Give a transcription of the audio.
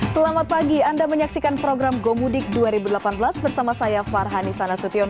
selamat pagi anda menyaksikan program gomudik dua ribu delapan belas bersama saya farhani sanasution